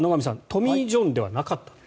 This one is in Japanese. トミー・ジョンではなかったと。